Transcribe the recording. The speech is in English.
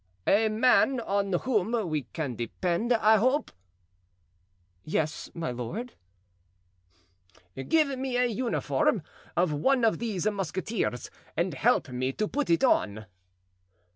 "A man on whom we can depend, I hope." "Yes, my lord." "Give me a uniform of one of these musketeers and help me to put it on."